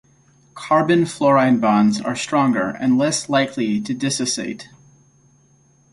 Carbon-fluorine bonds are stronger and less likely to dissociate.